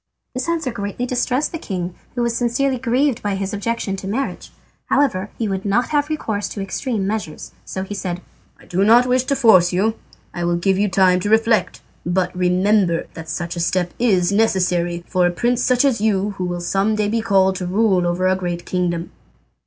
This answer greatly distressed the king, who was sincerely grieved by his objection to marriage. However he would not have recourse to extreme measures, so he said: "I do not wish to force you; I will give you time to reflect, but remember that such a step is necessary, for a prince such as you who will some day be called to rule over a great kingdom."